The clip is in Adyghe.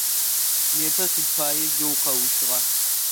Непэ сыд пае жьэу укъэущыгъа?